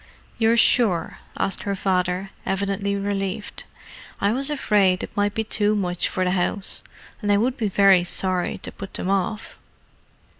"You're sure," asked her father, evidently relieved. "I was afraid it might be too much for the house; and I would be very sorry to put them off."